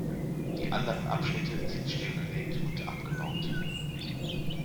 Die anderen Abschnitte sind stillgelegt und abgebaut.